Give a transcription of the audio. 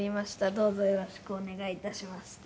「どうぞよろしくお願いいたします」って。